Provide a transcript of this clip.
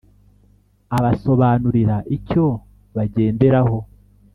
Abasobanurira icyo bagenderaho